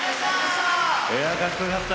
かっこよかった！